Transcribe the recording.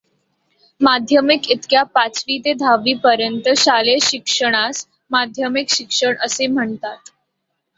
माध्यमिक इयत्ता पाचवी ते दहावीपर्यंतच्या शालेय शिक्षणास माध्यमिक शिक्षण म्हणतात.